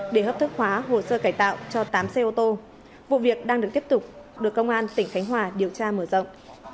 để hấp thức hóa hồ sơ cải tạo cho tám xe ô tô vụ việc đang được tiếp tục được công an tỉnh khánh hòa điều tra mở rộng